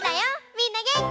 みんなげんき？